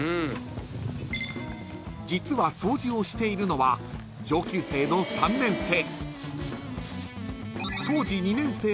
［実は掃除をしているのは上級生の３年生］